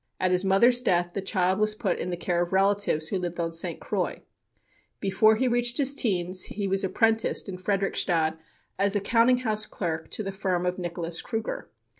At his mother's death the child was put in the care of relatives who lived on St. Croix. Before he reached his teens he was apprenticed in Frederiksted as a counting house clerk to the firm of Nicholas Cruger.